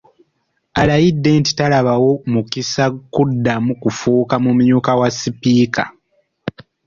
Alayidde nti talabawo mukisa kuddamu kufuuka mumyuka wa Sipiika.